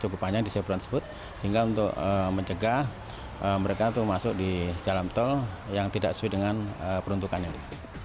cukup panjang di sebran tersebut sehingga untuk mencegah mereka untuk masuk di jalan tol yang tidak sesuai dengan peruntukan ini